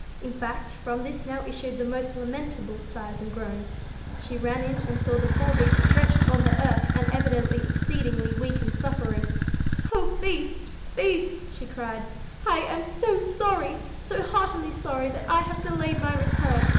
In fact, from this now issued the most lamentable sighs and groans. She ran in and saw the poor Beast stretched on the earth, and evidently exceedingly weak and suffering. 'O Beast! Beast!' she cried; 'I am so sorry! So heartily sorry that I have delayed my return.